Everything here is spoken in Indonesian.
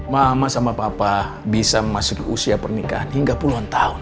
mama sama papa bisa memasuki usia pernikahan hingga puluhan tahun